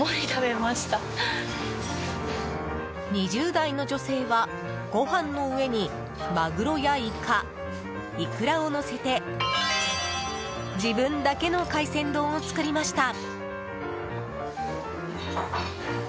２０代の女性はご飯の上にマグロやイカイクラをのせて自分だけの海鮮丼を作りました。